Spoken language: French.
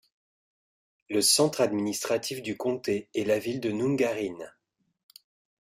Le centre administratif du comté est la ville de Nungarin.